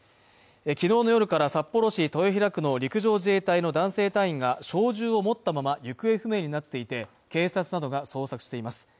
昨日の夜から札幌市豊平区の陸上自衛隊の男性隊員が小銃を持ったまま行方不明になっていて、警察などが捜索しています。